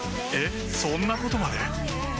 えっそんなことまで？